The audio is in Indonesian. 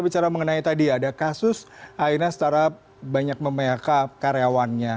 cara mengenai tadi ya ada kasus akhirnya setara banyak memelaka karyawannya